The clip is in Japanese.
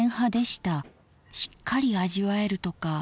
しっかり味わえるとか。